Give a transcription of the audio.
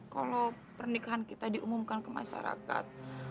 kalau pernikahan kita diumumkan ke masyarakat